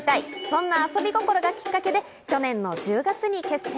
そんな遊び心がきっかけで去年の１０月に結成。